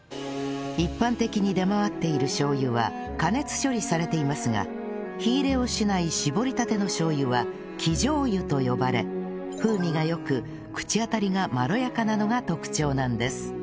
一般的に出回っているしょう油は加熱処理されていますが火入れをしない搾りたてのしょう油は生醤油と呼ばれ風味が良く口当たりがまろやかなのが特徴なんです